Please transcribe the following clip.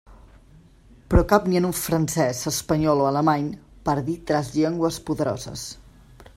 Però cap ni un en francès, espanyol o alemany, per dir tres llengües poderoses.